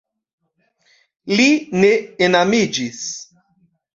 Li ne enamiĝis.